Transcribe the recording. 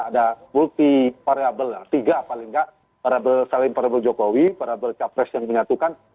ada multi variable tiga paling tidak saling variabel jokowi variabel capres yang menyatukan